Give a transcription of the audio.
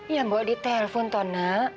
ya bawa di telpon tona